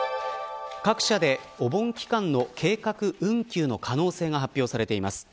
各社でお盆期間の計画運休の可能性が発表されています。